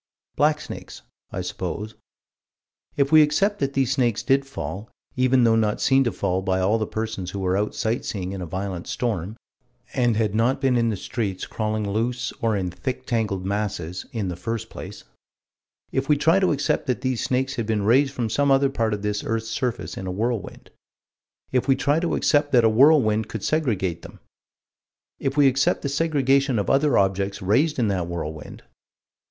Blacksnakes, I suppose. If we accept that these snakes did fall, even though not seen to fall by all the persons who were out sight seeing in a violent storm, and had not been in the streets crawling loose or in thick tangled masses, in the first place: If we try to accept that these snakes had been raised from some other part of this earth's surface in a whirlwind: If we try to accept that a whirlwind could segregate them We accept the segregation of other objects raised in that whirlwind.